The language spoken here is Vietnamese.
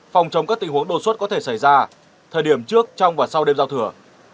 phòng chống các tình huống đột xuất có thể xảy ra thời điểm trước trong và sau đêm giao thừa